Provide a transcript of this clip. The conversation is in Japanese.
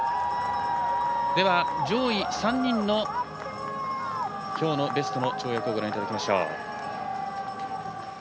上位３人のきょうのベストの跳躍をご覧いただきましょう。